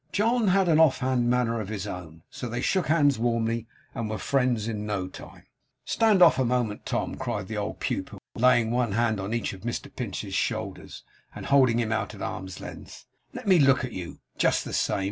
John had an off hand manner of his own; so they shook hands warmly, and were friends in no time. 'Stand off a moment, Tom,' cried the old pupil, laying one hand on each of Mr Pinch's shoulders, and holding him out at arm's length. 'Let me look at you! Just the same!